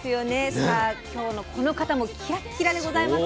さあ今日のこの方もキラッキラでございます。